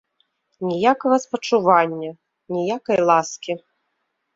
Ніякага спачування, ніякай ласкі.